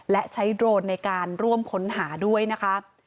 และใช้โดรนในการร่วมค้นหาด้วยนะคะ